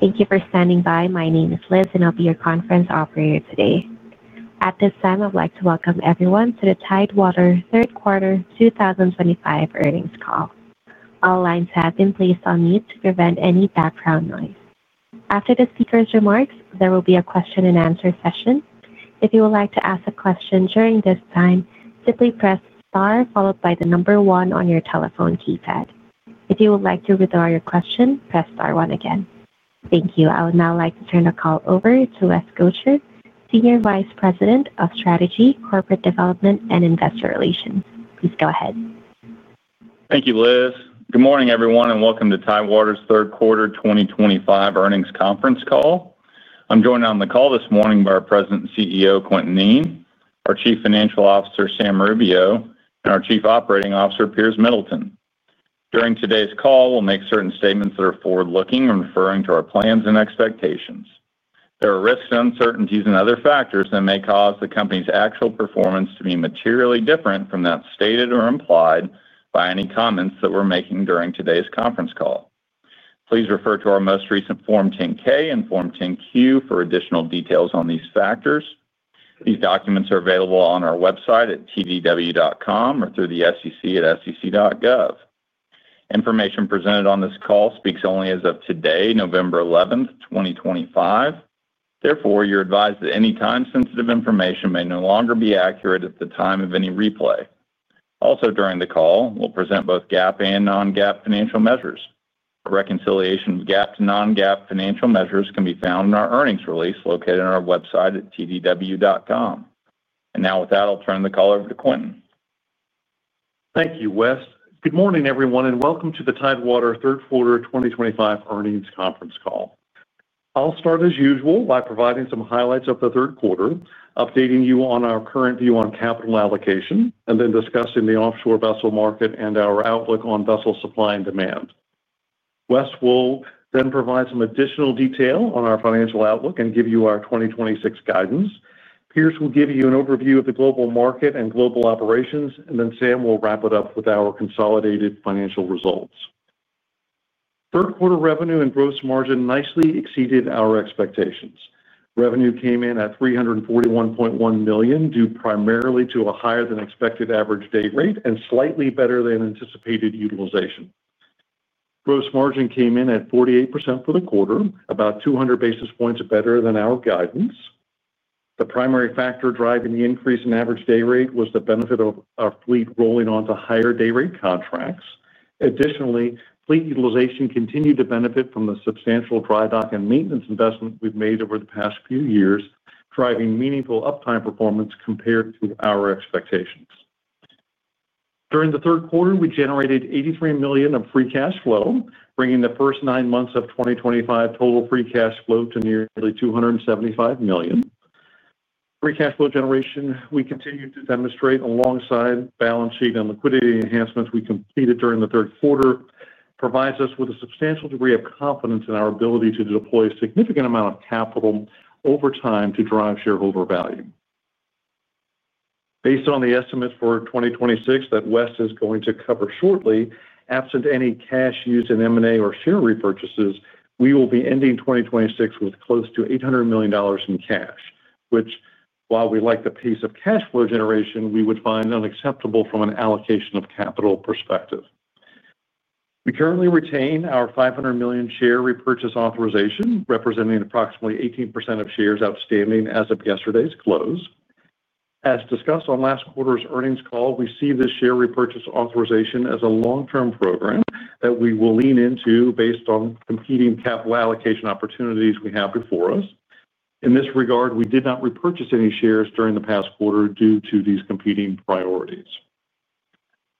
Thank you for standing by. My name is Liz, and I'll be your conference operator today. At this time, I'd like to welcome everyone to the Tidewater Q3 2025 earnings call. All lines have been placed on mute to prevent any background noise. After the speaker's remarks, there will be a question-and-answer session. If you would like to ask a question during this time, simply press star followed by the number one on your telephone keypad. If you would like to withdraw your question, press star one again. Thank you. I would now like to turn the call over to Wes Gotcher, Senior Vice President of Strategy, Corporate Development, and Investor Relations. Please go ahead. Thank you, Liz. Good morning, everyone, and welcome to Tidewater Q3 2025 earnings conference call. I'm joined on the call this morning by our President and CEO, Quintin Kneen, our Chief Financial Officer, Sam Rubio, and our Chief Operating Officer, Piers Middleton. During today's call, we'll make certain statements that are forward-looking and referring to our plans and expectations. There are risks, uncertainties, and other factors that may cause the company's actual performance to be materially different from that stated or implied by any comments that we're making during today's conference call. Please refer to our most recent Form 10-K and Form 10-Q for additional details on these factors. These documents are available on our website at tdw.com or through the SEC at sec.gov. Information presented on this call speaks only as of today, November 11, 2025. Therefore, you're advised that any time-sensitive information may no longer be accurate at the time of any replay. Also, during the call, we'll present both GAAP and non-GAAP financial measures. A reconciliation of GAAP to non-GAAP financial measures can be found in our earnings release located on our website at tdw.com. With that, I'll turn the call over to Quintin. Thank you, Wes. Good morning, everyone, and welcome to the Tidewater Q3 2025 earnings conference call. I'll start, as usual, by providing some highlights of the third quarter, updating you on our current view on capital allocation, and then discussing the offshore vessel market and our outlook on vessel supply and demand. Wes will then provide some additional detail on our financial outlook and give you our 2026 guidance. Piers will give you an overview of the global market and global operations, and then Sam will wrap it up with our consolidated financial results. Q3 revenue and gross margin nicely exceeded our expectations. Revenue came in at $341.1 million, due primarily to a higher-than-expected average day rate and slightly better than anticipated utilization. Gross margin came in at 48% for the quarter, about 200 basis points better than our guidance. The primary factor driving the increase in average day rate was the benefit of our fleet rolling onto higher day rate contracts. Additionally, fleet utilization continued to benefit from the substantial dry dock and maintenance investment we have made over the past few years, driving meaningful uptime performance compared to our expectations. During the third quarter, we generated $83 million of free cash flow, bringing the first nine months of 2025 total free cash flow to nearly $275 million. Free cash flow generation we continue to demonstrate alongside balance sheet and liquidity enhancements we completed during the third quarter provides us with a substantial degree of confidence in our ability to deploy a significant amount of capital over time to drive shareholder value. Based on the estimates for 2026 that Wes is going to cover shortly, absent any cash used in M&A or share repurchases, we will be ending 2026 with close to $800 million in cash, which, while we like the pace of cash flow generation, we would find unacceptable from an allocation of capital perspective. We currently retain our $500 million share repurchase authorization, representing approximately 18% of shares outstanding as of yesterday's close. As discussed on last quarter's earnings call, we see this share repurchase authorization as a long-term program that we will lean into based on competing capital allocation opportunities we have before us. In this regard, we did not repurchase any shares during the past quarter due to these competing priorities.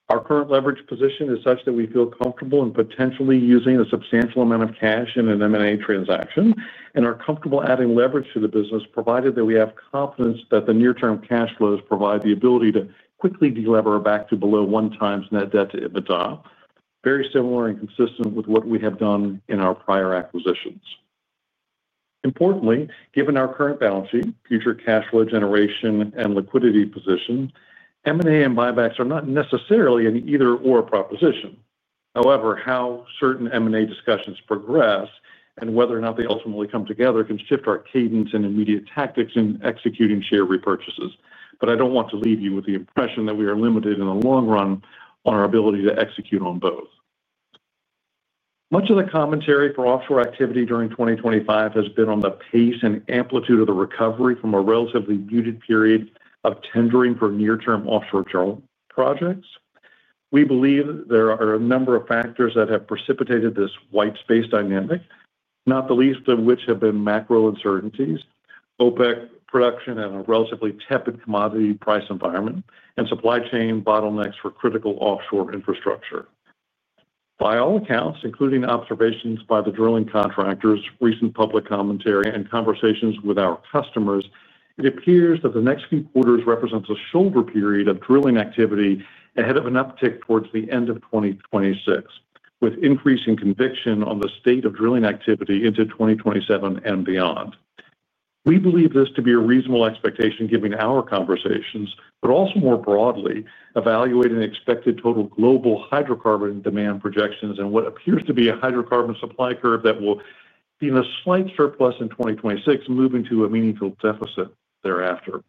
Our current leverage position is such that we feel comfortable in potentially using a substantial amount of cash in an M&A transaction and are comfortable adding leverage to the business, provided that we have confidence that the near-term cash flows provide the ability to quickly delever back to below one-time net debt to EBITDA, very similar and consistent with what we have done in our prior acquisitions. Importantly, given our current balance sheet, future cash flow generation, and liquidity position, M&A and buybacks are not necessarily an either/or proposition. However, how certain M&A discussions progress and whether or not they ultimately come together can shift our cadence and immediate tactics in executing share repurchases. I don't want to leave you with the impression that we are limited in the long run on our ability to execute on both. Much of the commentary for offshore activity during 2025 has been on the pace and amplitude of the recovery from a relatively muted period of tendering for near-term offshore projects. We believe there are a number of factors that have precipitated this white space dynamic, not the least of which have been macro uncertainties, OPEC production and a relatively tepid commodity price environment, and supply chain bottlenecks for critical offshore infrastructure. By all accounts, including observations by the drilling contractors, recent public commentary, and conversations with our customers, it appears that the next few quarters represent a shoulder period of drilling activity ahead of an uptick towards the end of 2026, with increasing conviction on the state of drilling activity into 2027 and beyond. We believe this to be a reasonable expectation given our conversations, but also more broadly, evaluating expected total global hydrocarbon demand projections and what appears to be a hydrocarbon supply curve that will be in a slight surplus in 2026, moving to a meaningful deficit thereafter.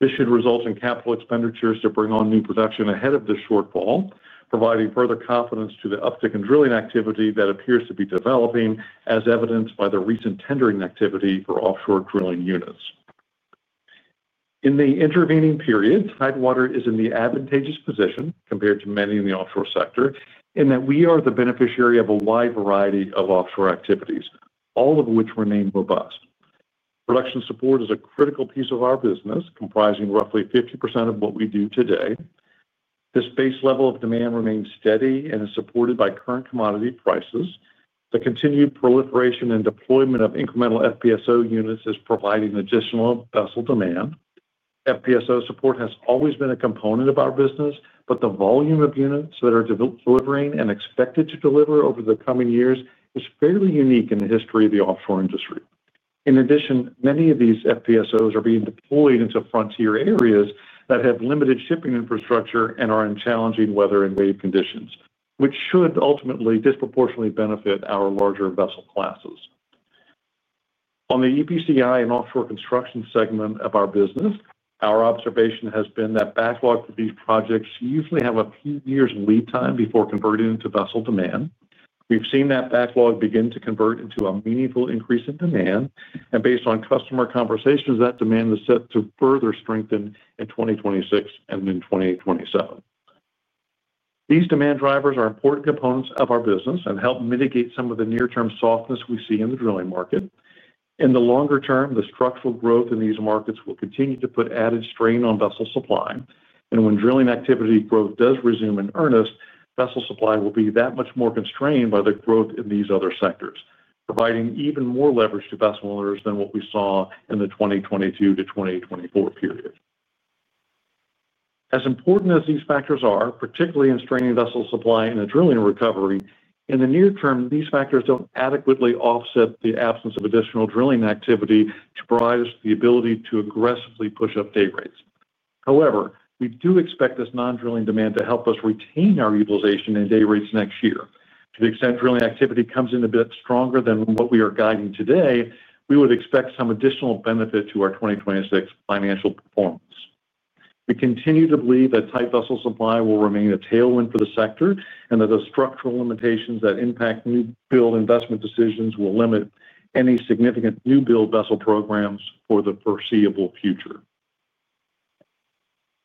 This should result in capital expenditures to bring on new production ahead of this shortfall, providing further confidence to the uptick in drilling activity that appears to be developing, as evidenced by the recent tendering activity for offshore drilling units. In the intervening period, Tidewater is in the advantageous position compared to many in the offshore sector in that we are the beneficiary of a wide variety of offshore activities, all of which remain robust. Production support is a critical piece of our business, comprising roughly 50% of what we do today. This base level of demand remains steady and is supported by current commodity prices. The continued proliferation and deployment of incremental FPSO units is providing additional vessel demand. FPSO support has always been a component of our business, but the volume of units that are delivering and expected to deliver over the coming years is fairly unique in the history of the offshore industry. In addition, many of these FPSOs are being deployed into frontier areas that have limited shipping infrastructure and are in challenging weather and wave conditions, which should ultimately disproportionately benefit our larger vessel classes. On the EPCI and offshore construction segment of our business, our observation has been that backlog for these projects usually has a few years' lead time before converting into vessel demand. We've seen that backlog begin to convert into a meaningful increase in demand, and based on customer conversations, that demand is set to further strengthen in 2026 and in 2027. These demand drivers are important components of our business and help mitigate some of the near-term softness we see in the drilling market. In the longer term, the structural growth in these markets will continue to put added strain on vessel supply. When drilling activity growth does resume in earnest, vessel supply will be that much more constrained by the growth in these other sectors, providing even more leverage to vessel owners than what we saw in the 2022 to 2024 period. As important as these factors are, particularly in straining vessel supply and in drilling recovery, in the near term, these factors do not adequately offset the absence of additional drilling activity to provide us the ability to aggressively push up day rates. However, we do expect this non-drilling demand to help us retain our utilization in day rates next year. To the extent drilling activity comes in a bit stronger than what we are guiding today, we would expect some additional benefit to our 2026 financial performance. We continue to believe that tight vessel supply will remain a tailwind for the sector and that the structural limitations that impact new-build investment decisions will limit any significant new-build vessel programs for the foreseeable future.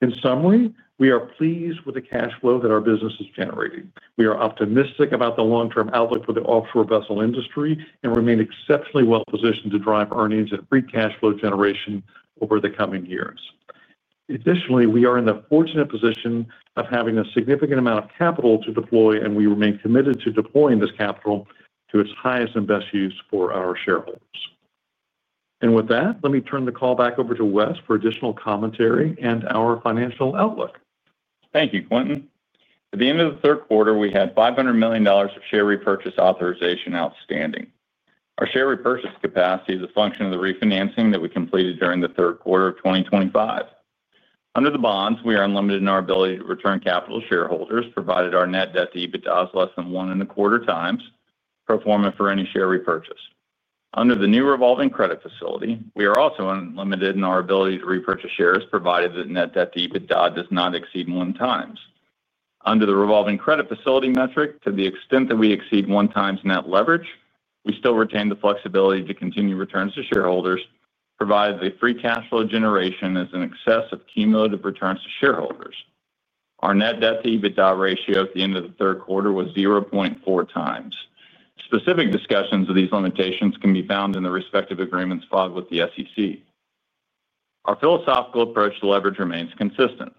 In summary, we are pleased with the cash flow that our business is generating. We are optimistic about the long-term outlook for the offshore vessel industry and remain exceptionally well-positioned to drive earnings and free cash flow generation over the coming years. Additionally, we are in the fortunate position of having a significant amount of capital to deploy, and we remain committed to deploying this capital to its highest and best use for our shareholders. Let me turn the call back over to Wes for additional commentary and our financial outlook. Thank you, Quintin. At the end of the third quarter, we had $500 million of share repurchase authorization outstanding. Our share repurchase capacity is a function of the refinancing that we completed during the third quarter of 2025. Under the bonds, we are unlimited in our ability to return capital to shareholders, provided our net debt to EBITDA is less than one and a quarter times pro forma for any share repurchase. Under the new revolving credit facility, we are also unlimited in our ability to repurchase shares, provided that net debt to EBITDA does not exceed one times. Under the revolving credit facility metric, to the extent that we exceed one times net leverage, we still retain the flexibility to continue returns to shareholders, provided the free cash flow generation is in excess of cumulative returns to shareholders. Our net debt to EBITDA ratio at the end of the third quarter was 0.4 times. Specific discussions of these limitations can be found in the respective agreements filed with the SEC. Our philosophical approach to leverage remains consistent.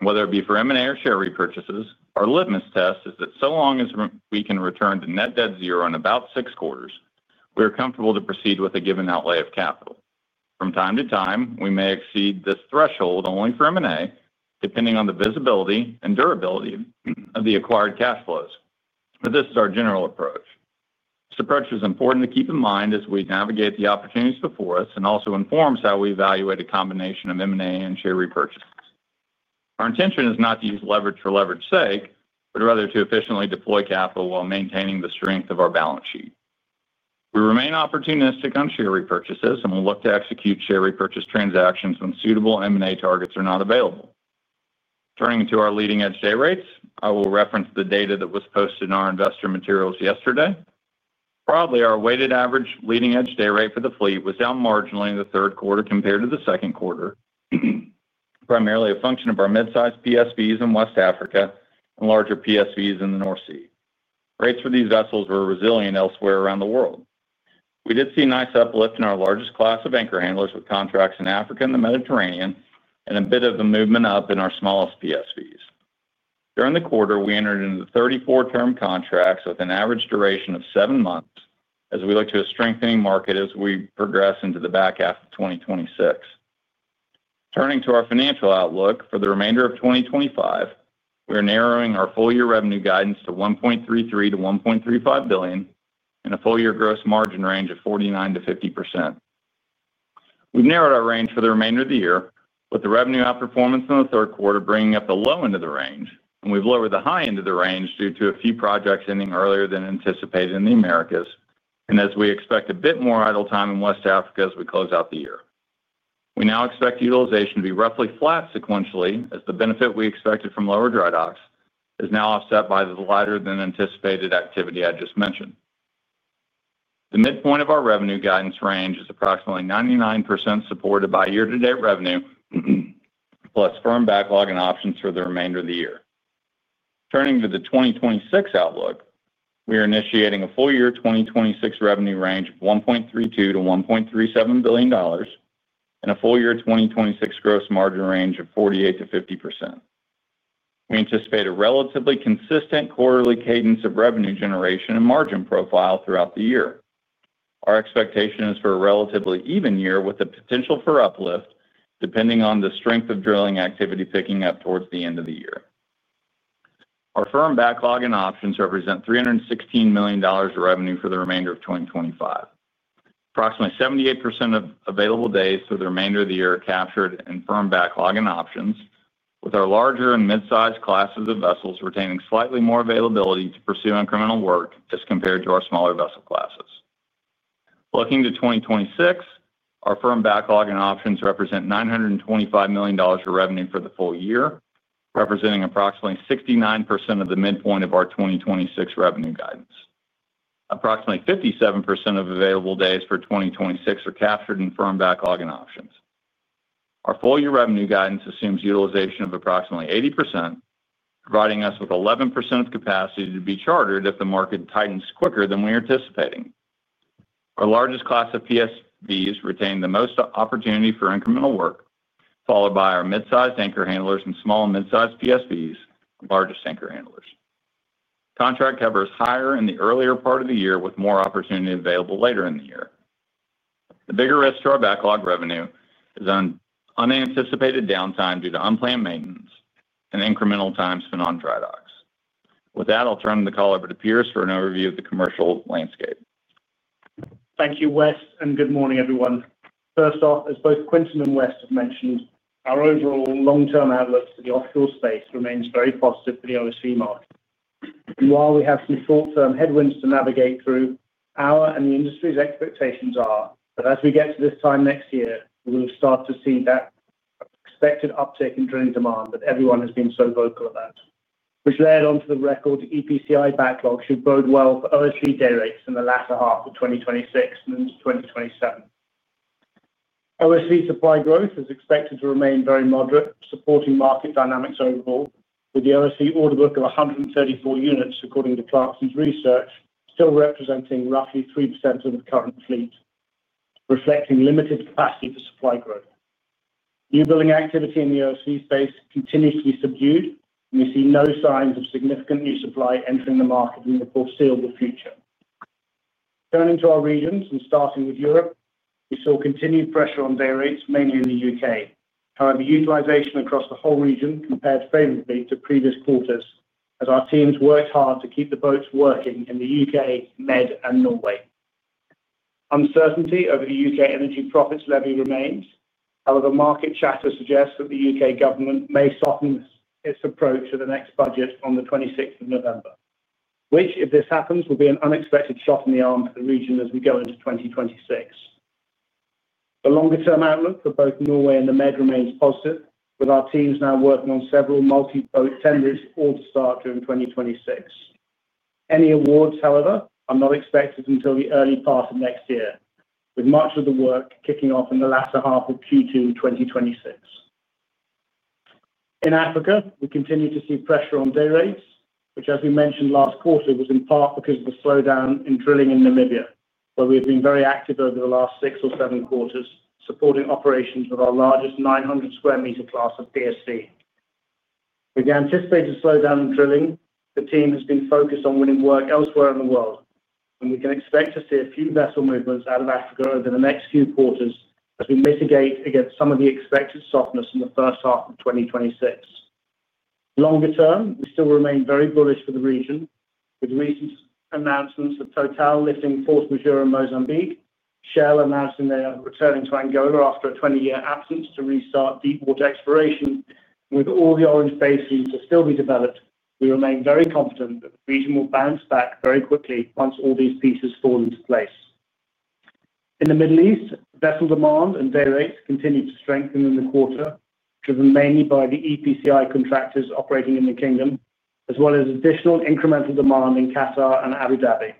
Whether it be for M&A or share repurchases, our litmus test is that so long as we can return to net debt zero in about six quarters, we are comfortable to proceed with a given outlay of capital. From time to time, we may exceed this threshold only for M&A, depending on the visibility and durability of the acquired cash flows. This is our general approach. This approach is important to keep in mind as we navigate the opportunities before us and also informs how we evaluate a combination of M&A and share repurchases. Our intention is not to use leverage for leverage's sake, but rather to efficiently deploy capital while maintaining the strength of our balance sheet. We remain opportunistic on share repurchases and will look to execute share repurchase transactions when suitable M&A targets are not available. Turning to our leading-edge day rates, I will reference the data that was posted in our investor materials yesterday. Broadly, our weighted average leading-edge day rate for the fleet was down marginally in the third quarter compared to the second quarter, primarily a function of our mid-sized PSVs in West Africa and larger PSVs in the North Sea. Rates for these vessels were resilient elsewhere around the world. We did see nice uplift in our largest class of anchor handlers with contracts in Africa and the Mediterranean, and a bit of a movement up in our smallest PSVs. During the quarter, we entered into 34-term contracts with an average duration of seven months as we look to a strengthening market as we progress into the back half of 2026. Turning to our financial outlook for the remainder of 2025, we are narrowing our full-year revenue guidance to $1.33 billion-$1.35 billion and a full-year gross margin range of 49%-50%. We've narrowed our range for the remainder of the year, with the revenue outperformance in the third quarter bringing up the low end of the range, and we've lowered the high end of the range due to a few projects ending earlier than anticipated in the Americas, and as we expect a bit more idle time in West Africa as we close out the year. We now expect utilization to be roughly flat sequentially as the benefit we expected from lower dry docks is now offset by the lighter-than-anticipated activity I just mentioned. The midpoint of our revenue guidance range is approximately 99% supported by year-to-date revenue plus firm backlog and options for the remainder of the year. Turning to the 2026 outlook, we are initiating a full-year 2026 revenue range of $1.32 billion-$1.37 billion and a full-year 2026 gross margin range of 48%-50%. We anticipate a relatively consistent quarterly cadence of revenue generation and margin profile throughout the year. Our expectation is for a relatively even year with a potential for uplift depending on the strength of drilling activity picking up towards the end of the year. Our firm backlog and options represent $316 million of revenue for the remainder of 2025. Approximately 78% of available days for the remainder of the year are captured in firm backlog and options, with our larger and mid-sized classes of vessels retaining slightly more availability to pursue incremental work as compared to our smaller vessel classes. Looking to 2026, our firm backlog and options represent $925 million of revenue for the full year, representing approximately 69% of the midpoint of our 2026 revenue guidance. Approximately 57% of available days for 2026 are captured in firm backlog and options. Our full-year revenue guidance assumes utilization of approximately 80%, providing us with 11% of capacity to be chartered if the market tightens quicker than we are anticipating. Our largest class of PSVs retain the most opportunity for incremental work, followed by our mid-sized anchor handlers and small and mid-sized PSVs, largest anchor handlers. Contract cover is higher in the earlier part of the year, with more opportunity available later in the year. The bigger risk to our backlog revenue is unanticipated downtime due to unplanned maintenance and incremental time spent on dry docks. With that, I'll turn the call over to Piers for an overview of the commercial landscape. Thank you, Wes, and good morning, everyone. First off, as both Quintin and Wes have mentioned, our overall long-term outlook for the offshore space remains very positive for the OSCE market. While we have some short-term headwinds to navigate through, our and the industry's expectations are that as we get to this time next year, we will start to see that expected uptick in drilling demand that everyone has been so vocal about, which led on to the record EPCI backlog should bode well for OSCE day rates in the latter half of 2026 and into 2027. OSCE supply growth is expected to remain very moderate, supporting market dynamics overall, with the OSCE order book of 134 units, according to Clarksons Research, still representing roughly 3% of the current fleet, reflecting limited capacity for supply growth. New-building activity in the OSV space continues to be subdued, and we see no signs of significant new supply entering the market in the foreseeable future. Turning to our regions and starting with Europe, we saw continued pressure on day rates, mainly in the U.K. However, utilization across the whole region compared favorably to previous quarters as our teams worked hard to keep the boats working in the U.K., Med, and Norway. Uncertainty over the U.K. energy profits levy remains. However, market chatter suggests that the U.K. government may soften its approach to the next budget on the 26th of November, which, if this happens, will be an unexpected shot in the arm for the region as we go into 2026. The longer-term outlook for both Norway and the Med remains positive, with our teams now working on several multi-boat tenders all to start during 2026. Any awards, however, are not expected until the early part of next year, with much of the work kicking off in the latter half of Q2 2026. In Africa, we continue to see pressure on day rates, which, as we mentioned last quarter, was in part because of the slowdown in drilling in Namibia, where we have been very active over the last six or seven quarters, supporting operations of our largest 900 sq m class of PSV. With the anticipated slowdown in drilling, the team has been focused on winning work elsewhere in the world, and we can expect to see a few vessel movements out of Africa over the next few quarters as we mitigate against some of the expected softness in the first half of 2026. Longer term, we still remain very bullish for the region, with recent announcements of TotalEnergies lifting force majeure in Mozambique, Shell announcing they are returning to Angola after a 20-year absence to restart deep-water exploration. With all the orange phases to still be developed, we remain very confident that the region will bounce back very quickly once all these pieces fall into place. In the Middle East, vessel demand and day rates continue to strengthen in the quarter, driven mainly by the EPCI contractors operating in the kingdom, as well as additional incremental demand in Qatar and Abu Dhabi.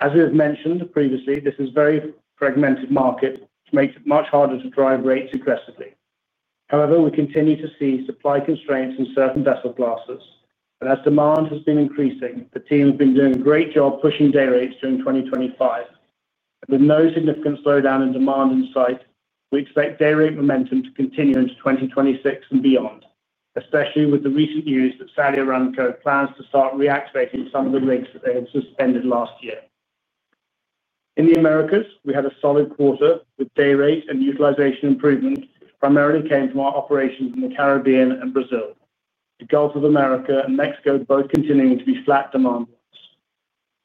As we have mentioned previously, this is a very fragmented market, which makes it much harder to drive rates aggressively. However, we continue to see supply constraints in certain vessel classes. As demand has been increasing, the team has been doing a great job pushing day rates during 2025. With no significant slowdown in demand in sight, we expect day rate momentum to continue into 2026 and beyond, especially with the recent news that Saudi Aramco plans to start reactivating some of the rigs that they had suspended last year. In the Americas, we had a solid quarter with day rate and utilization improvement, which primarily came from our operations in the Caribbean and Brazil. The Gulf of Mexico and Mexico both continuing to be flat demand lines.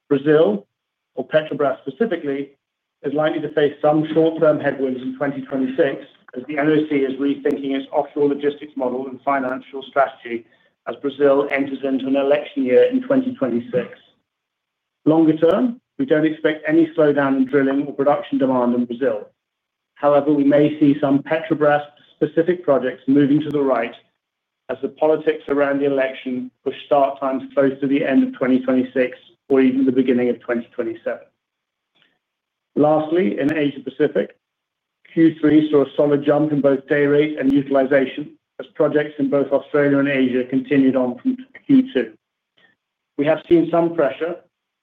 Brazil, or Petrobras specifically, is likely to face some short-term headwinds in 2026 as the NOC is rethinking its offshore logistics model and financial strategy as Brazil enters into an election year in 2026. Longer term, we do not expect any slowdown in drilling or production demand in Brazil. However, we may see some Petrobras-specific projects moving to the right as the politics around the election push start times close to the end of 2026 or even the beginning of 2027. Lastly, in Asia-Pacific, Q3 saw a solid jump in both day rate and utilization as projects in both Australia and Asia continued on from Q2. We have seen some pressure,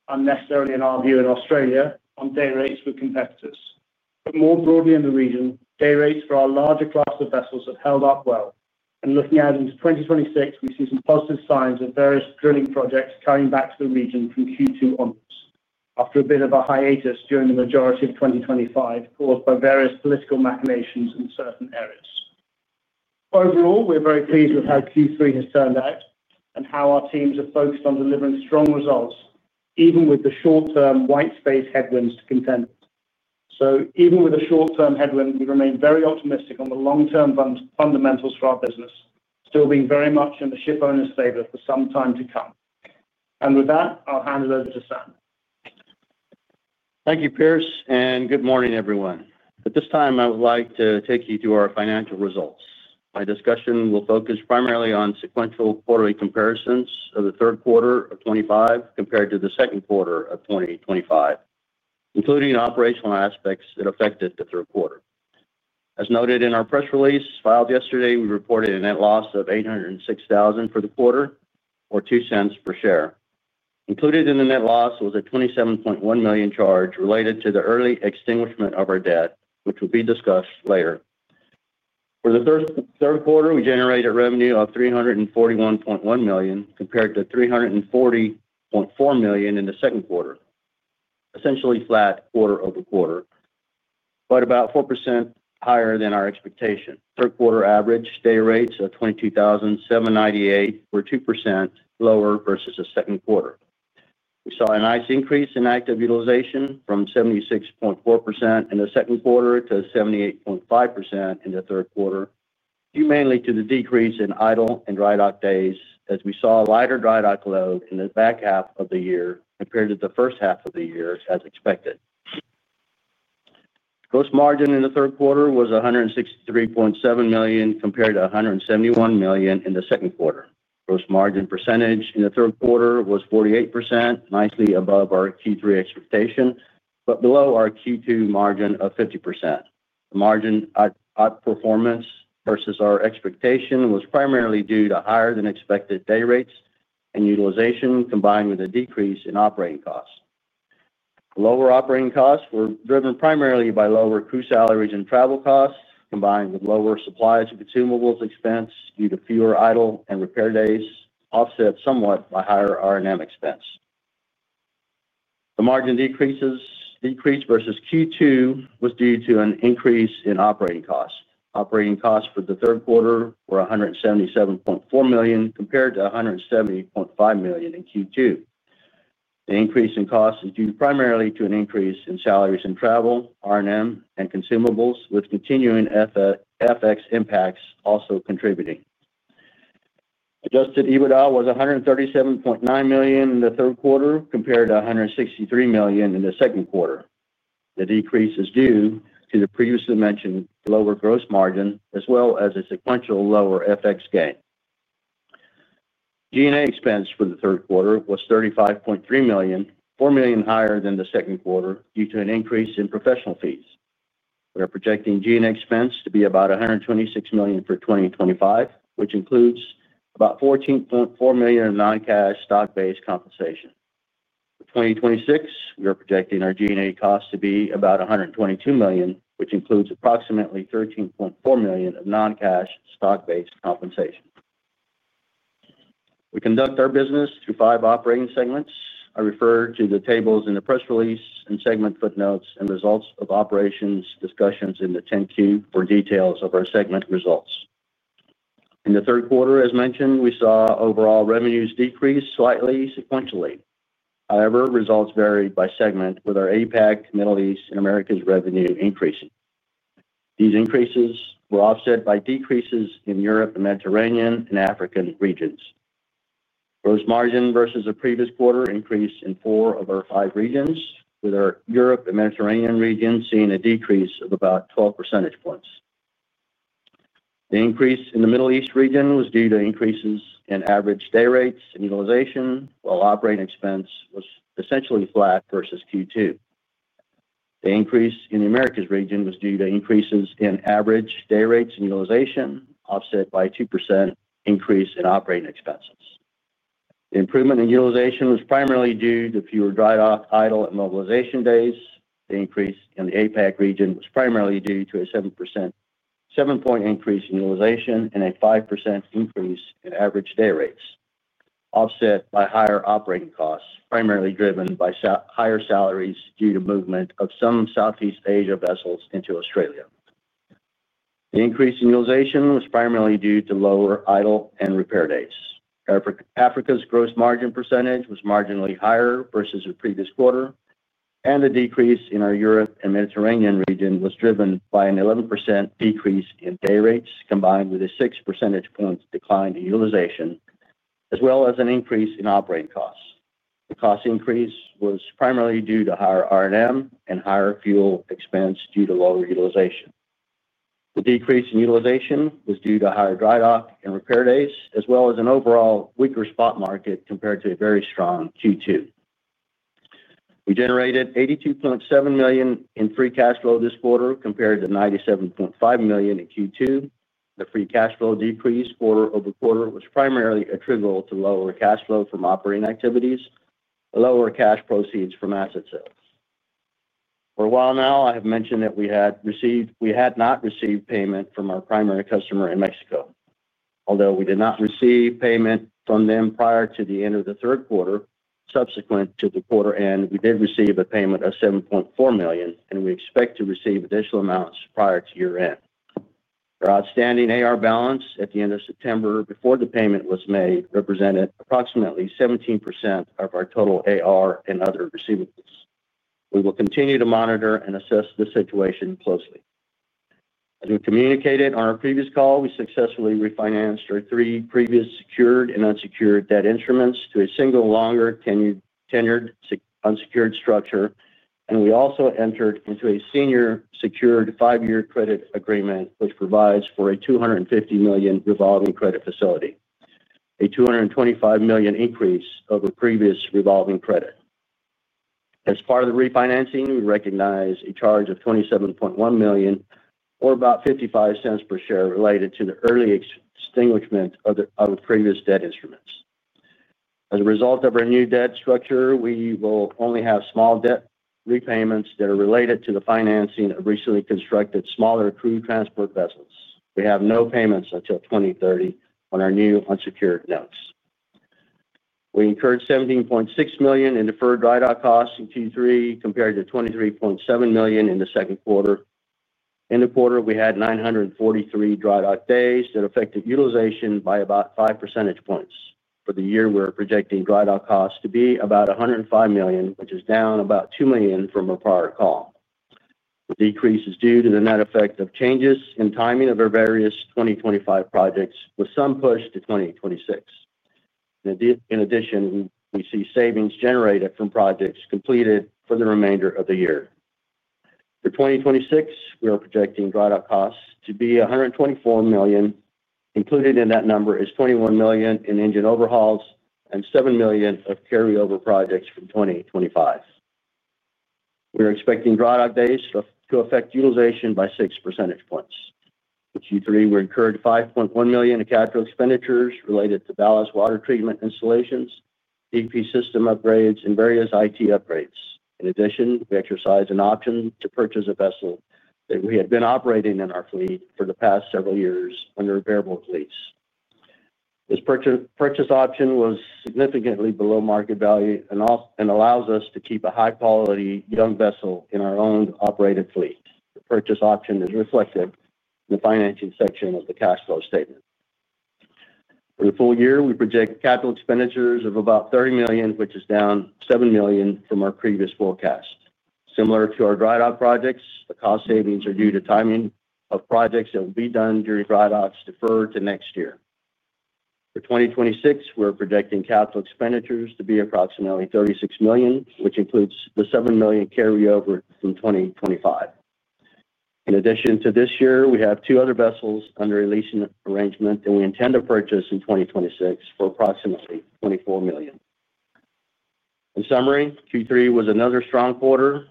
unnecessarily in our view in Australia, on day rates with competitors. More broadly in the region, day rates for our larger class of vessels have held up well. Looking out into 2026, we see some positive signs of various drilling projects coming back to the region from Q2 onwards after a bit of a hiatus during the majority of 2025 caused by various political machinations in certain areas. Overall, we're very pleased with how Q3 has turned out and how our teams have focused on delivering strong results, even with the short-term white space headwinds to contend with. Even with a short-term headwind, we remain very optimistic on the long-term fundamentals for our business, still being very much in the shipowner's favor for some time to come. With that, I'll hand it over to Sam. Thank you, Piers, and good morning, everyone. At this time, I would like to take you to our financial results. My discussion will focus primarily on sequential quarterly comparisons of the third quarter of 2025 compared to the second quarter of 2025, including operational aspects that affected the third quarter. As noted in our press release filed yesterday, we reported a net loss of $806,000 for the quarter, or $0.02 per share. Included in the net loss was a $27.1 million charge related to the early extinguishment of our debt, which will be discussed later. For the third quarter, we generated a revenue of $341.1 million compared to $340.4 million in the second quarter, essentially flat quarter-over-quarter, but about 4% higher than our expectation. Third-quarter average day rates of $22,798 were 2% lower versus the second quarter. We saw a nice increase in active utilization from 76.4% in the second quarter to 78.5% in the third quarter, due mainly to the decrease in idle and dry dock days as we saw a lighter dry dock load in the back half of the year compared to the first half of the year as expected. Gross margin in the third quarter was $163.7 million compared to $171 million in the second quarter. Gross margin percentage in the third quarter was 48%, nicely above our Q3 expectation, but below our Q2 margin of 50%. The margin outperformance versus our expectation was primarily due to higher-than-expected day rates and utilization combined with a decrease in operating costs. Lower operating costs were driven primarily by lower crew salaries and travel costs combined with lower supplies and consumables expense due to fewer idle and repair days, offset somewhat by higher R&M expense. The margin decrease versus Q2 was due to an increase in operating costs. Operating costs for the third quarter were $177.4 million compared to $170.5 million in Q2. The increase in costs is due primarily to an increase in salaries and travel, R&M, and consumables, with continuing FX impacts also contributing. Adjusted EBITDA was $137.9 million in the third quarter compared to $163 million in the second quarter. The decrease is due to the previously mentioned lower gross margin as well as a sequential lower FX gain. G&A expense for the third quarter was $35.3 million, $4 million higher than the second quarter due to an increase in professional fees. We are projecting G&A expense to be about $126 million for 2025, which includes about $14.4 million of non-cash stock-based compensation. For 2026, we are projecting our G&A costs to be about $122 million, which includes approximately $13.4 million of non-cash stock-based compensation. We conduct our business through five operating segments. I refer to the tables in the press release and segment footnotes and results of operations discussions in the 10-Q for details of our segment results. In the third quarter, as mentioned, we saw overall revenues decrease slightly sequentially. However, results varied by segment, with our APAC, Middle East, and Americas revenue increasing. These increases were offset by decreases in Europe, the Mediterranean, and African regions. Gross margin versus the previous quarter increased in four of our five regions, with our Europe and Mediterranean region seeing a decrease of about 12 percentage points. The increase in the Middle East region was due to increases in average day rates and utilization, while operating expense was essentially flat versus Q2. The increase in the Americas region was due to increases in average day rates and utilization, offset by a 2% increase in operating expenses. The improvement in utilization was primarily due to fewer dry dock, idle, and mobilization days. The increase in the APAC region was primarily due to a 7 percentage point increase in utilization and a 5% increase in average day rates, offset by higher operating costs, primarily driven by higher salaries due to movement of some Southeast Asia vessels into Australia. The increase in utilization was primarily due to lower idle and repair days. Africa's gross margin percentage was marginally higher versus the previous quarter, and the decrease in our Europe and Mediterranean region was driven by an 11% decrease in day rates combined with a 6 percentage point decline in utilization, as well as an increase in operating costs. The cost increase was primarily due to higher R&M and higher fuel expense due to lower utilization. The decrease in utilization was due to higher dry dock and repair days, as well as an overall weaker spot market compared to a very strong Q2. We generated $82.7 million in free cash flow this quarter compared to $97.5 million in Q2. The free cash flow decrease quarter-over-quarter was primarily attributable to lower cash flow from operating activities, lower cash proceeds from asset sales. For a while now, I have mentioned that we had not received payment from our primary customer in Mexico. Although we did not receive payment from them prior to the end of the third quarter, subsequent to the quarter end, we did receive a payment of $7.4 million, and we expect to receive additional amounts prior to year-end. Our outstanding AR balance at the end of September before the payment was made represented approximately 17% of our total AR and other receivables. We will continue to monitor and assess the situation closely. As we communicated on our previous call, we successfully refinanced our three previous secured and unsecured debt instruments to a single longer tenured unsecured structure, and we also entered into a senior secured five-year credit agreement, which provides for a $250 million revolving credit facility, a $225 million increase over previous revolving credit. As part of the refinancing, we recognize a charge of $27.1 million, or about $0.55 per share related to the early extinguishment of previous debt instruments. As a result of our new debt structure, we will only have small debt repayments that are related to the financing of recently constructed smaller crew transport vessels. We have no payments until 2030 on our new unsecured notes. We incurred $17.6 million in deferred dry dock costs in Q3 compared to $23.7 million in the second quarter. In the quarter, we had 943 dry dock days that affected utilization by about 5 percentage points. For the year, we're projecting dry dock costs to be about $105 million, which is down about $2 million from our prior call. The decrease is due to the net effect of changes in timing of our various 2025 projects, with some push to 2026. In addition, we see savings generated from projects completed for the remainder of the year. For 2026, we are projecting dry dock costs to be $124 million. Included in that number is $21 million in engine overhauls and $7 million of carryover projects for 2025. We are expecting dry dock days to affect utilization by 6 percentage points. For Q3, we incurred $5.1 million in capital expenditures related to ballast water treatment installations, EP system upgrades, and various IT upgrades. In addition, we exercised an option to purchase a vessel that we had been operating in our fleet for the past several years under variable fleets. This purchase option was significantly below market value and allows us to keep a high-quality young vessel in our own operated fleet. The purchase option is reflected in the financing section of the cash flow statement. For the full year, we project capital expenditures of about $30 million, which is down $7 million from our previous forecast. Similar to our dry dock projects, the cost savings are due to timing of projects that will be done during dry docks deferred to next year. For 2026, we're projecting capital expenditures to be approximately $36 million, which includes the $7 million carryover from 2025. In addition to this year, we have two other vessels under release arrangement that we intend to purchase in 2026 for approximately $24 million. In summary, Q3 was another strong quarter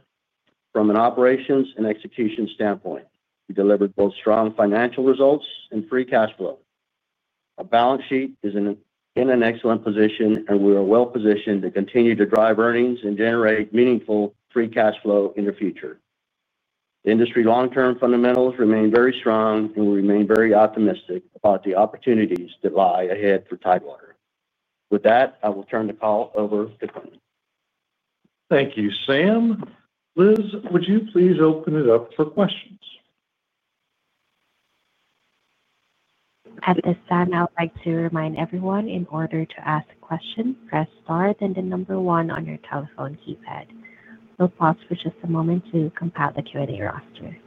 from an operations and execution standpoint. We delivered both strong financial results and free cash flow. Our balance sheet is in an excellent position, and we are well positioned to continue to drive earnings and generate meaningful free cash flow in the future. The industry long-term fundamentals remain very strong, and we remain very optimistic about the opportunities that lie ahead for Tidewater. With that, I will turn the call over to Quintin. Thank you, Sam. Liz, would you please open it up for questions? At this time, I would like to remind everyone in order to ask a question, press star then the number one on your telephone keypad. We'll pause for just a moment to compile the Q&A roster.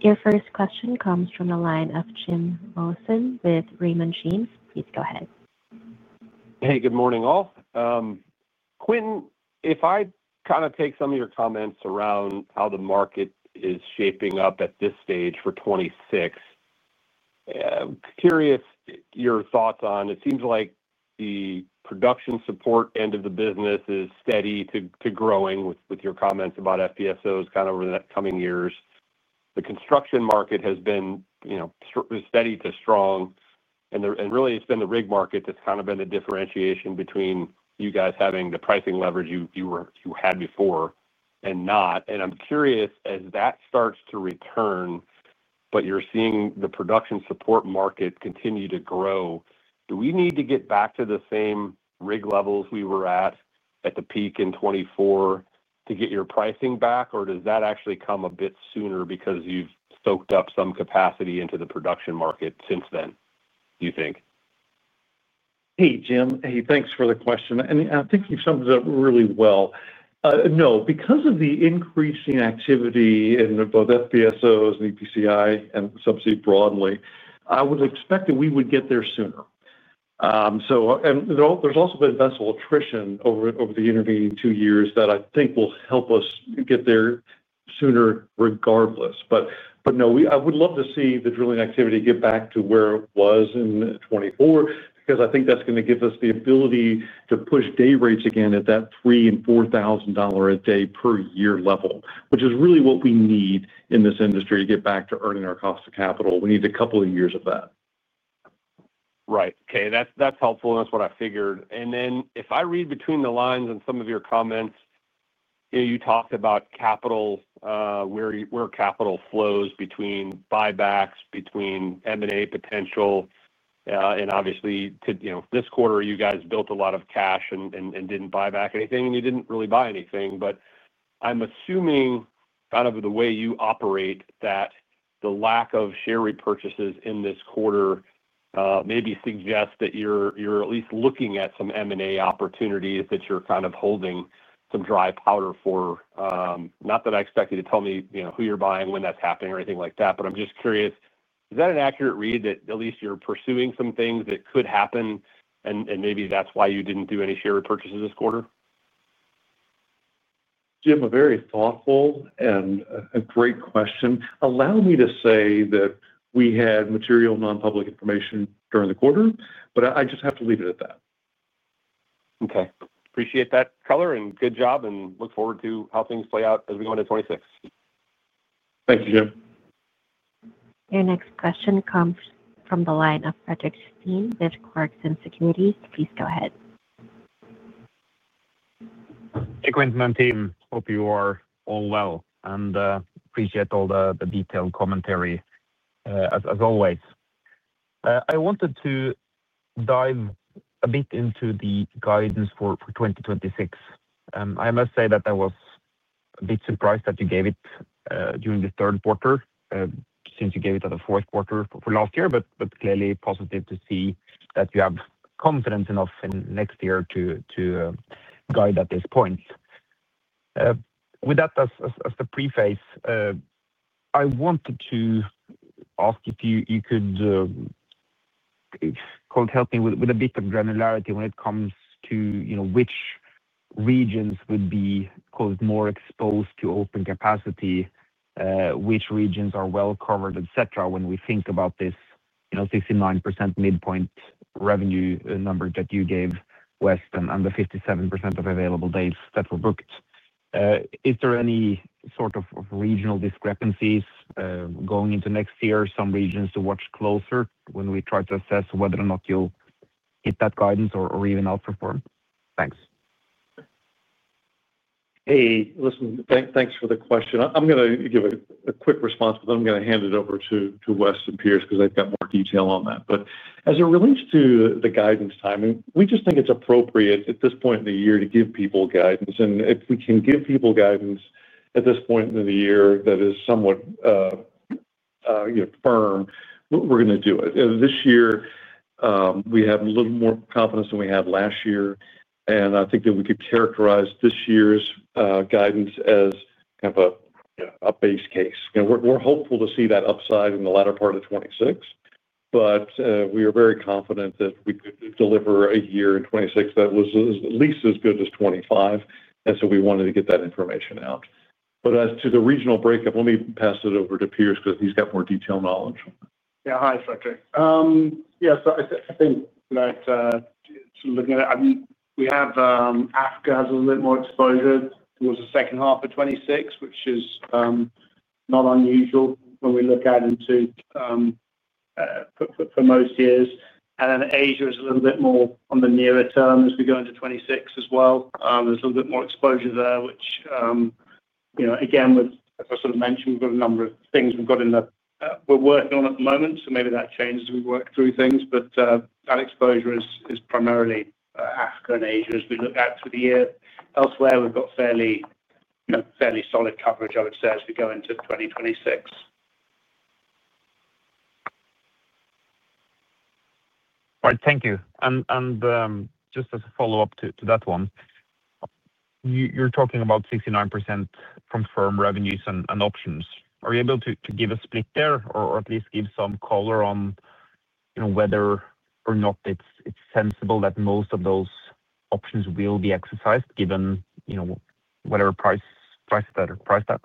Your first question comes from the line of Jim Rollyson with Raymond James. Please go ahead. Hey, good morning, all. Quintin, if I kind of take some of your comments around how the market is shaping up at this stage for 2026, I'm curious your thoughts on it seems like the production support end of the business is steady to growing with your comments about FPSOs kind of over the coming years. The construction market has been steady to strong, and really it's been the rig market that's kind of been the differentiation between you guys having the pricing leverage you had before and not. I'm curious, as that starts to return, but you're seeing the production support market continue to grow, do we need to get back to the same rig levels we were at at the peak in 2024 to get your pricing back, or does that actually come a bit sooner because you've soaked up some capacity into the production market since then, do you think? Hey, Jim. Hey, thanks for the question. I think you summed it up really well. No, because of the increasing activity in both FPSOs and EPCI and subsea broadly, I would expect that we would get there sooner. There has also been vessel attrition over the intervening two years that I think will help us get there sooner regardless. No, I would love to see the drilling activity get back to where it was in 2024 because I think that is going to give us the ability to push day rates again at that $3,000 and $4,000 a day per year level, which is really what we need in this industry to get back to earning our cost of capital. We need a couple of years of that. Right. Okay. That's helpful. That's what I figured. And then if I read between the lines on some of your comments, you talked about capital, where capital flows between buybacks, between M&A potential, and obviously this quarter you guys built a lot of cash and didn't buy back anything, and you didn't really buy anything. But I'm assuming kind of the way you operate that the lack of share repurchases in this quarter maybe suggests that you're at least looking at some M&A opportunities that you're kind of holding some dry powder for. Not that I expect you to tell me who you're buying when that's happening or anything like that, but I'm just curious, is that an accurate read that at least you're pursuing some things that could happen, and maybe that's why you didn't do any share repurchases this quarter? Jim, a very thoughtful and a great question. Allow me to say that we had material non-public information during the quarter, but I just have to leave it at that. Okay. Appreciate that color and good job, and look forward to how things play out as we go into 2026. Thank you, Jim. Your next question comes from the line of Fredrik Stene with Clarksons Securities. Please go ahead. Hey, Quintin. I hope you are all well and appreciate all the detailed commentary, as always. I wanted to dive a bit into the guidance for 2026. I must say that I was a bit surprised that you gave it during the third quarter since you gave it at the fourth quarter for last year, but clearly positive to see that you have confidence enough in next year to guide at this point. With that as the preface, I wanted to ask if you could help me with a bit of granularity when it comes to which regions would be more exposed to open capacity, which regions are well covered, etc., when we think about this 69% midpoint revenue number that you gave Wes and the 57% of available days that were booked. Is there any sort of regional discrepancies going into next year, some regions to watch closer when we try to assess whether or not you'll hit that guidance or even outperform? Thanks. Hey, listen, thanks for the question. I'm going to give a quick response, but then I'm going to hand it over to Wes and Piers because they've got more detail on that. As it relates to the guidance timing, we just think it's appropriate at this point in the year to give people guidance. If we can give people guidance at this point in the year that is somewhat firm, we're going to do it. This year, we have a little more confidence than we had last year, and I think that we could characterize this year's guidance as kind of a base case. We're hopeful to see that upside in the latter part of 2026, but we are very confident that we could deliver a year in 2026 that was at least as good as 2025, and we wanted to get that information out. As to the regional breakup, let me pass it over to Piers because he's got more detailed knowledge. Yeah. Hi, Fredrik. Yeah. I think that looking at it, we have Africa has a little bit more exposure towards the second half of 2026, which is not unusual when we look at it for most years. Asia is a little bit more on the nearer term as we go into 2026 as well. There is a little bit more exposure there, which, again, as I sort of mentioned, we have got a number of things we are working on at the moment, so maybe that changes as we work through things. That exposure is primarily Africa and Asia as we look out to the year. Elsewhere, we have got fairly solid coverage, I would say, as we go into 2026. All right. Thank you. Just as a follow-up to that one, you're talking about 69% from firm revenues and options. Are you able to give a split there or at least give some color on whether or not it's sensible that most of those options will be exercised given whatever price that are priced at?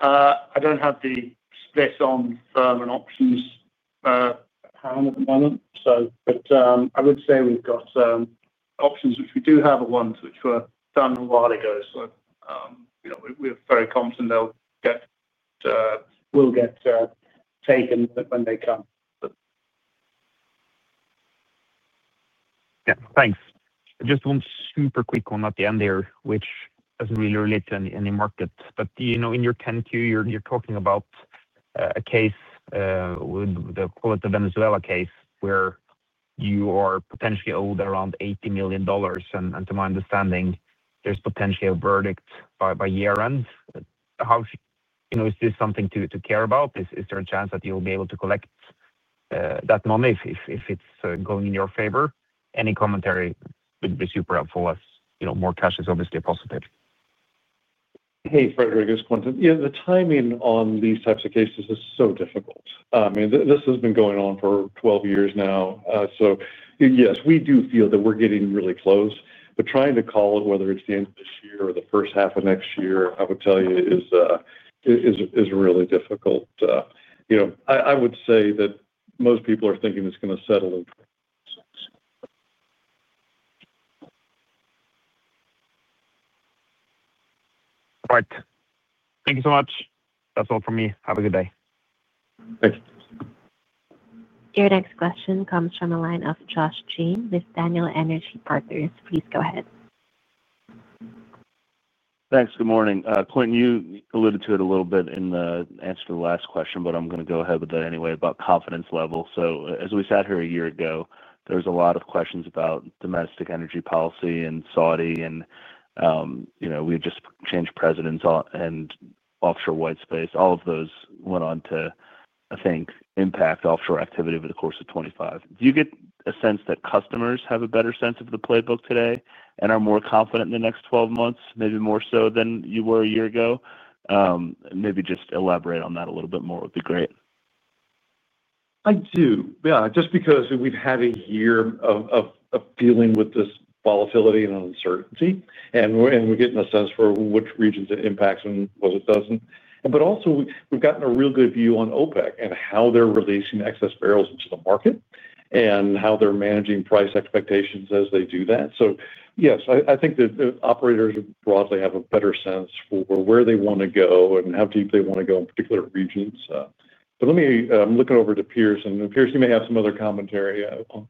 I don't have the split on firm and options at hand at the moment, but I would say we've got options, which we do have at once, which were done a while ago. We are very confident they'll get taken when they come. Yeah. Thanks. Just one super quick one at the end here, which does not really relate to any market, but in your 10-Q, you are talking about a case with the Venezuela case where you are potentially owed around $80 million, and to my understanding, there is potentially a verdict by year-end. Is this something to care about? Is there a chance that you will be able to collect that money if it is going in your favor? Any commentary would be super helpful as more cash is obviously possible. Hey, Fredrik, as Quintin, yeah, the timing on these types of cases is so difficult. I mean, this has been going on for 12 years now. So yes, we do feel that we're getting really close, but trying to call it whether it's the end of this year or the first half of next year, I would tell you is really difficult. I would say that most people are thinking it's going to settle in. All right. Thank you so much. That's all from me. Have a good day. Thanks. Your next question comes from the line of Josh Jayne with Daniel Energy Partners, please go ahead. Thanks. Good morning. Quintin, you alluded to it a little bit in the answer to the last question, but I'm going to go ahead with that anyway about confidence level. As we sat here a year ago, there were a lot of questions about domestic energy policy and Saudi, and we had just changed presidents and offshore white space. All of those went on to, I think, impact offshore activity over the course of 2025. Do you get a sense that customers have a better sense of the playbook today and are more confident in the next 12 months, maybe more so than you were a year ago? Maybe just elaborate on that a little bit more would be great. I do. Yeah. Just because we've had a year of dealing with this volatility and uncertainty, and we're getting a sense for which regions it impacts and what it does not. Also, we've gotten a real good view on OPEC and how they're releasing excess barrels into the market and how they're managing price expectations as they do that. Yes, I think that operators broadly have a better sense for where they want to go and how deep they want to go in particular regions. I'm looking over to Piers, and Piers, you may have some other commentary on stuff like that.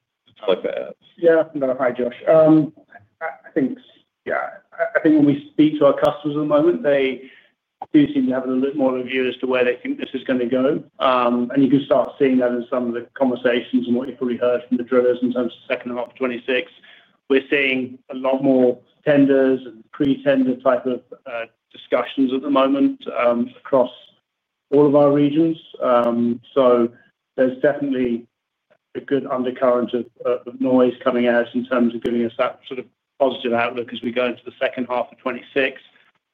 Yeah. Hi, Josh. I think, yeah, I think when we speak to our customers at the moment, they do seem to have a little bit more of a view as to where they think this is going to go. You can start seeing that in some of the conversations and what you've probably heard from the drillers in terms of the second half of 2026. We're seeing a lot more tenders and pre-tender type of discussions at the moment across all of our regions. There is definitely a good undercurrent of noise coming out in terms of giving us that sort of positive outlook as we go into the second half of 2026.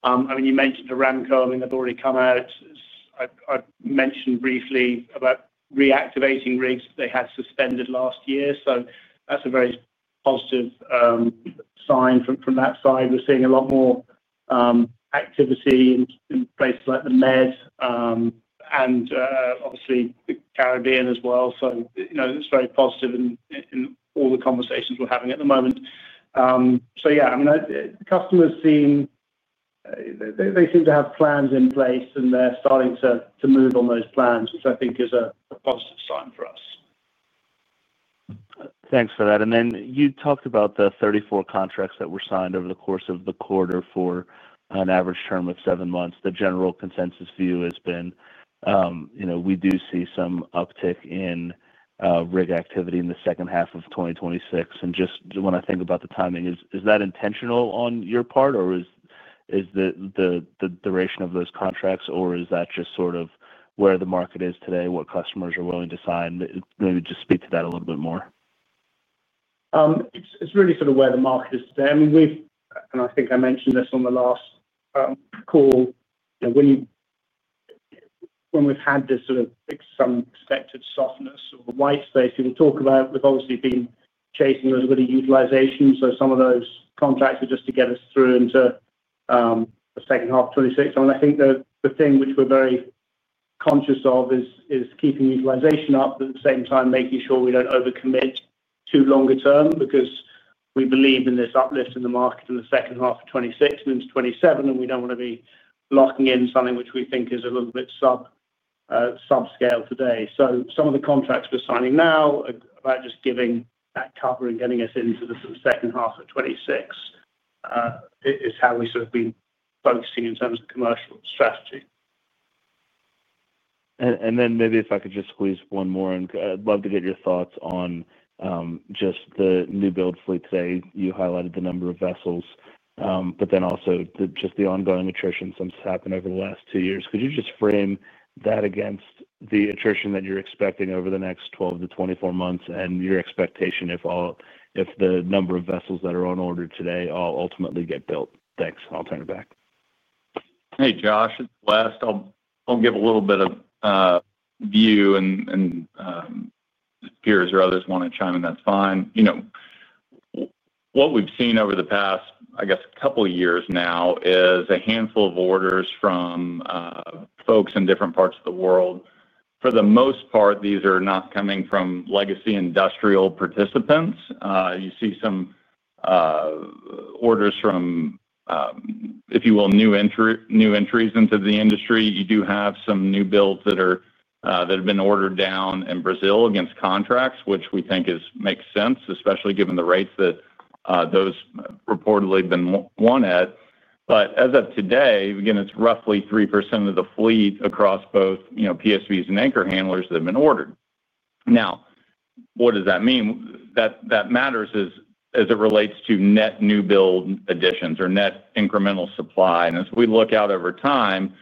I mean, you mentioned Aramco. I mean, they've already come out. I mentioned briefly about reactivating rigs that they had suspended last year. That is a very positive sign from that side. We're seeing a lot more activity in places like the Med and obviously the Caribbean as well. It is very positive in all the conversations we're having at the moment. Yeah, I mean, customers seem they seem to have plans in place, and they're starting to move on those plans, which I think is a positive sign for us. Thanks for that. You talked about the 34 contracts that were signed over the course of the quarter for an average term of seven months. The general consensus view has been we do see some uptick in rig activity in the second half of 2026. Just when I think about the timing, is that intentional on your part, or is the duration of those contracts, or is that just sort of where the market is today, what customers are willing to sign? Maybe just speak to that a little bit more. It's really sort of where the market is today. I mean, and I think I mentioned this on the last call, when we've had this sort of some expected softness. White space we'll talk about. We've obviously been chasing those really utilization. Some of those contracts are just to get us through into the second half of 2026. I mean, I think the thing which we're very conscious of is keeping utilization up, but at the same time, making sure we don't overcommit too longer term because we believe in this uplift in the market in the second half of 2026 and into 2027, and we don't want to be locking in something which we think is a little bit subscale today. Some of the contracts we're signing now, about just giving that cover and getting us into the second half of 2026, is how we sort of been focusing in terms of commercial strategy. Maybe if I could just squeeze one more, and I'd love to get your thoughts on just the new build fleet today. You highlighted the number of vessels, but then also just the ongoing attrition since it's happened over the last two years. Could you just frame that against the attrition that you're expecting over the next 12-24 months and your expectation if the number of vessels that are on order today all ultimately get built? Thanks. I'll turn it back. Hey, Josh, West, I'll give a little bit of view, and if Piers or others want to chime in, that's fine. What we've seen over the past, I guess, a couple of years now is a handful of orders from folks in different parts of the world. For the most part, these are not coming from legacy industrial participants. You see some orders from, if you will, new entries into the industry. You do have some new builds that have been ordered down in Brazil against contracts, which we think makes sense, especially given the rates that those reportedly have been won at. As of today, again, it's roughly 3% of the fleet across both PSVs and anchor handlers that have been ordered. Now, what does that mean? That matters as it relates to net new build additions or net incremental supply. As we look out over time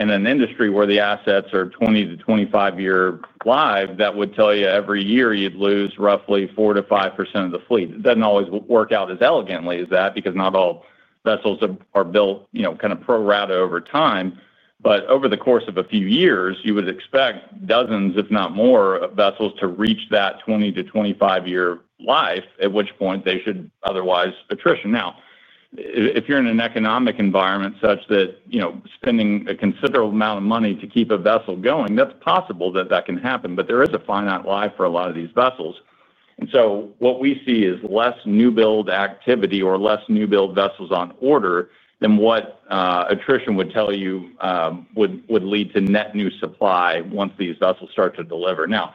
in an industry where the assets are 20-25-year live, that would tell you every year you'd lose roughly 4-5% of the fleet. It doesn't always work out as elegantly as that because not all vessels are built kind of pro-rata over time. Over the course of a few years, you would expect dozens, if not more, of vessels to reach that 20-25-year life, at which point they should otherwise attrition. Now, if you're in an economic environment such that spending a considerable amount of money to keep a vessel going, that's possible that that can happen, but there is a finite life for a lot of these vessels. What we see is less new build activity or less new build vessels on order than what attrition would tell you would lead to net new supply once these vessels start to deliver. Now,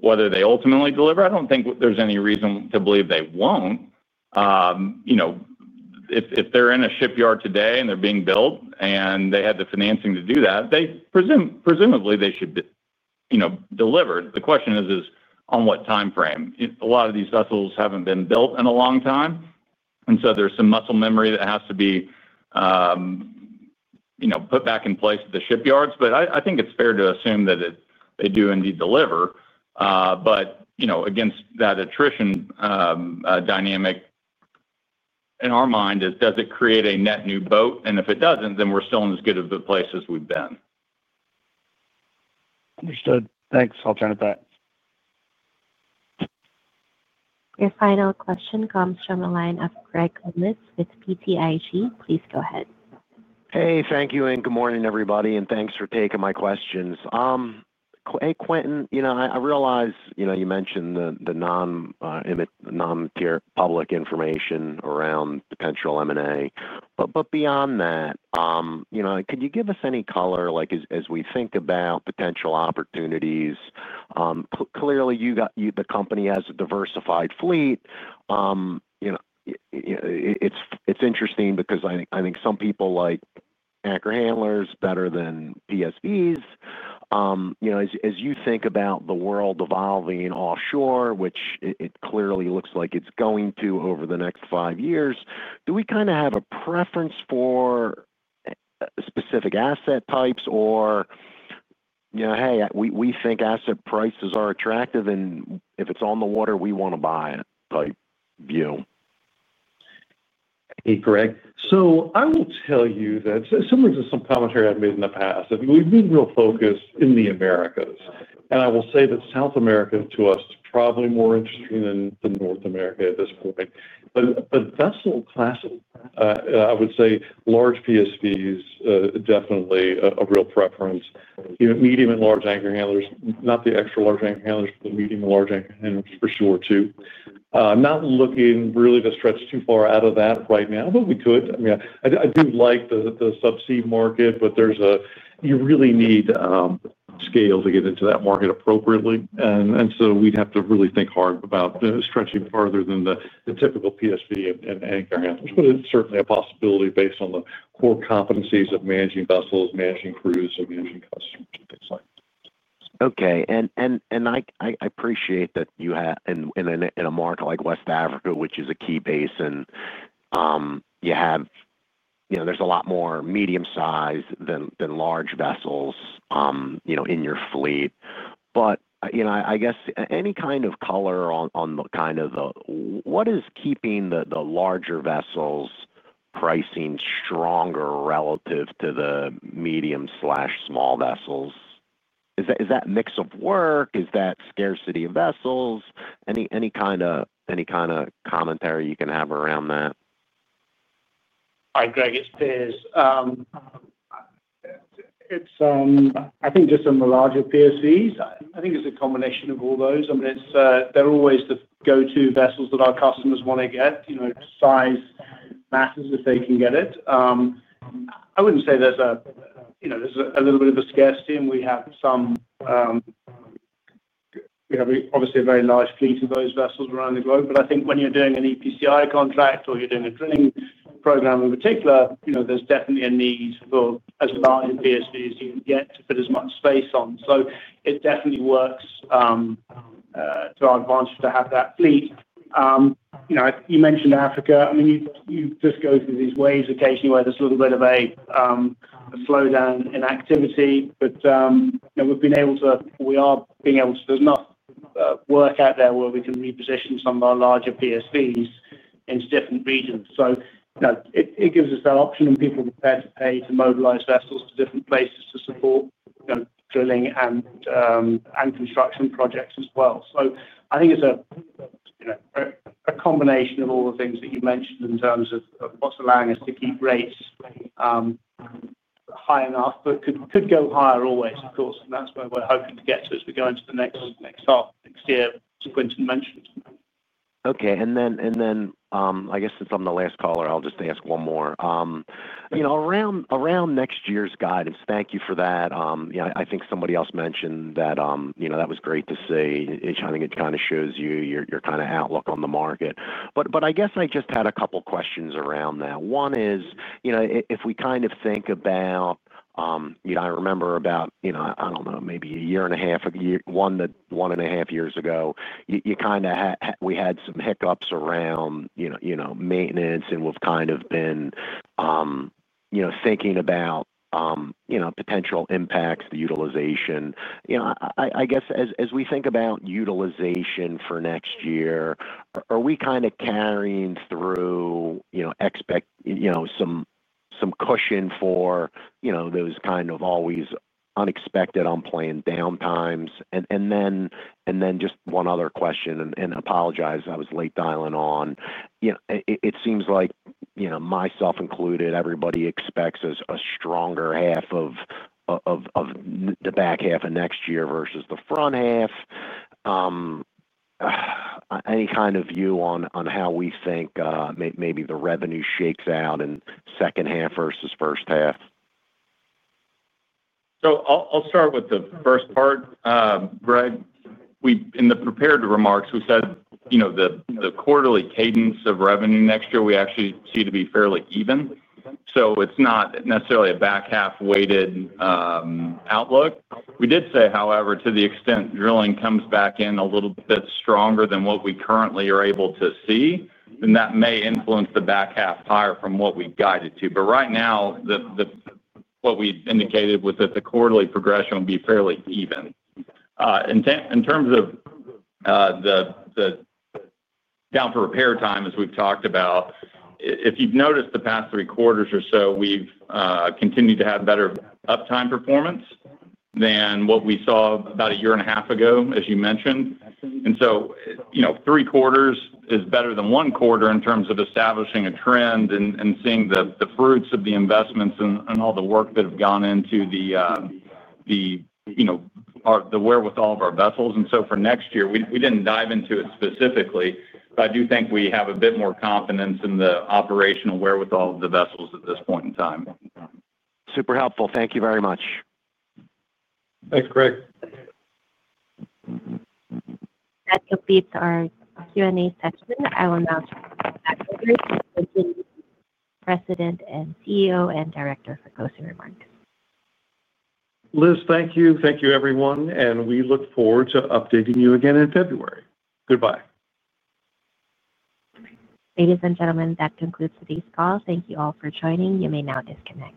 whether they ultimately deliver, I do not think there is any reason to believe they will not. If they are in a shipyard today and they are being built and they had the financing to do that, presumably they should deliver. The question is, on what timeframe? A lot of these vessels have not been built in a long time, and there is some muscle memory that has to be put back in place at the shipyards. I think it is fair to assume that they do indeed deliver. Against that attrition dynamic, in our mind, does it create a net new boat? If it does not, then we are still in as good of a place as we have been. Understood. Thanks. I'll turn it back. Your final question comes from the line of Greg Clements with PTIG. Please go ahead. Hey, thank you, and good morning, everybody, and thanks for taking my questions. Hey, Quintin, I realize you mentioned the non-public information around potential M&A, but beyond that, could you give us any color as we think about potential opportunities? Clearly, the company has a diversified fleet. It's interesting because I think some people like anchor handlers better than PSVs. As you think about the world evolving offshore, which it clearly looks like it's going to over the next five years, do we kind of have a preference for specific asset types or, "Hey, we think asset prices are attractive, and if it's on the water, we want to buy it," type view? Hey, Greg, I will tell you that similar to some commentary I've made in the past, we've been real focused in the Americas. I will say that South America to us is probably more interesting than North America at this point. Vessel classes, I would say large PSVs, definitely a real preference. Medium and large anchor handlers, not the extra large anchor handlers, but the medium and large anchor handlers for sure too. Not looking really to stretch too far out of that right now, but we could. I mean, I do like the subsea market, but you really need scale to get into that market appropriately. We would have to really think hard about stretching farther than the typical PSV and anchor handlers, but it is certainly a possibility based on the core competencies of managing vessels, managing crews, and managing customers, and things like that. Okay. I appreciate that you have in a market like West Africa, which is a key basin, you have a lot more medium-sized than large vessels in your fleet. I guess any kind of color on what is keeping the larger vessels' pricing stronger relative to the medium/small vessels? Is that mix of work? Is that scarcity of vessels? Any kind of commentary you can have around that? Hi, Greg. It is. I think just on the larger PSVs, I think it's a combination of all those. I mean, they're always the go-to vessels that our customers want to get. Size matters if they can get it. I wouldn't say there's a little bit of a scarcity, and we have obviously a very large fleet of those vessels around the globe. But I think when you're doing an EPCI contract or you're doing a drilling program in particular, there's definitely a need for as large a PSV as you can get to fit as much space on. It definitely works to our advantage to have that fleet. You mentioned Africa. I mean, you just go through these waves occasionally where there's a little bit of a slowdown in activity. We have been able to, we are being able to, there is enough work out there where we can reposition some of our larger PSVs into different regions. It gives us that option, and people are prepared to pay to mobilize vessels to different places to support drilling and construction projects as well. I think it is a combination of all the things that you mentioned in terms of what is allowing us to keep rates high enough, but could go higher always, of course. That is where we are hoping to get to as we go into the next half, next year, as Quintin mentioned. Okay. And then I guess since I'm the last caller, I'll just ask one more. Around next year's guidance, thank you for that. I think somebody else mentioned that that was great to see. I think it kind of shows you your kind of outlook on the market. I guess I just had a couple of questions around that. One is, if we kind of think about, I remember about, I don't know, maybe a year and a half, one and a half years ago, we had some hiccups around maintenance, and we've kind of been thinking about potential impacts, the utilization. I guess as we think about utilization for next year, are we kind of carrying through some cushion for those kind of always unexpected unplanned downtimes? And then just one other question, and apologize, I was late dialing on. It seems like myself included, everybody expects a stronger half of the back half of next year versus the front half. Any kind of view on how we think maybe the revenue shakes out in second half versus first half? I will start with the first part. Greg, in the prepared remarks, we said the quarterly cadence of revenue next year, we actually see to be fairly even. It is not necessarily a back half-weighted outlook. We did say, however, to the extent drilling comes back in a little bit stronger than what we currently are able to see, then that may influence the back half higher from what we guided to. Right now, what we indicated was that the quarterly progression would be fairly even. In terms of the down for repair time, as we have talked about, if you have noticed the past three quarters or so, we have continued to have better uptime performance than what we saw about a year and a half ago, as you mentioned. Three quarters is better than one quarter in terms of establishing a trend and seeing the fruits of the investments and all the work that have gone into the wherewithal of our vessels. For next year, we did not dive into it specifically, but I do think we have a bit more confidence in the operational wherewithal of the vessels at this point in time. Super helpful. Thank you very much. Thanks, Greg. That completes our Q&A session. I will now turn it back over to Quintin, President and CEO and Director, for closing remarks. Liz, thank you. Thank you, everyone. We look forward to updating you again in February. Goodbye. Ladies and gentlemen, that concludes today's call. Thank you all for joining. You may now disconnect.